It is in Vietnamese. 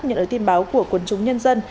nhận được tin báo của quân chúng nhân dân